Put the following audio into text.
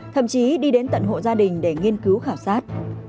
thậm chí đi đến tận hộ gia đình để nghiên cứu khảo sát